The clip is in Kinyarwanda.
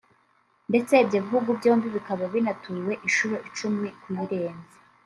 ndetse ibyo bihugu byombi bikaba binatuwe inshuro icumi kuyirenza